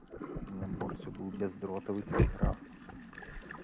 На борце быў бяздротавы тэлеграф.